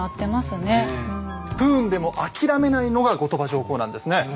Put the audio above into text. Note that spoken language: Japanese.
不運でも諦めないのが後鳥羽上皇なんですね。